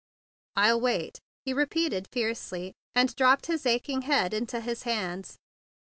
"I'll wait!" he repeated fiercely, and dropped his aching head into his hands.